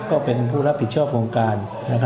ก็เป็นผู้รับผิดชอบวงการ